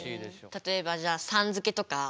例えばじゃあ「さん」付けとか。